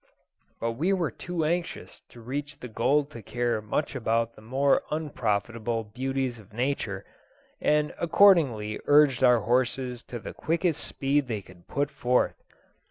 But we were too anxious to reach the gold to care much about the more unprofitable beauties of Nature, and accordingly urged our horses to the quickest speed they could put forth.